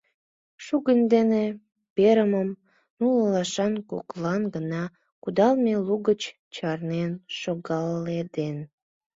Шугынь дене перымым нулалашлан коклан гына кудалме лугыч чарнен шогаледен.